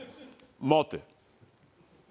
待て。